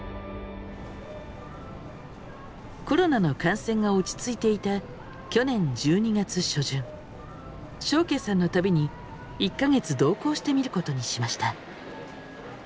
コロナの感染が落ち着いていた去年１２月初旬祥敬さんの旅に１か月同行してみることにしました。